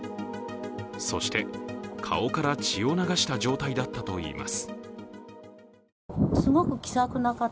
そして顔から血を流した状態だったといいます。